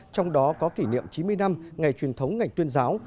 trong đó có kỷ niệm chín mươi năm ngày truyền thống ngành tuyên giáo